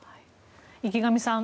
池上さん